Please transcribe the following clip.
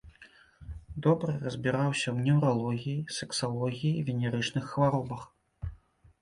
Добра разбіраўся ў неўралогіі, сексалогіі, венерычных хваробах.